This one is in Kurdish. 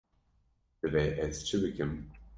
Divê ez çi bikim.